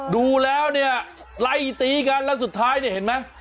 ดูแล้วเนี่ยไล่ตีกันแล้วสุดท้ายเนี่ยเห็นไหม